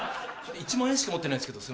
１万円しか持ってないんですけど。